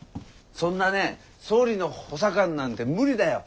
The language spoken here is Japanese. そんなね総理の補佐官なんて無理だよ。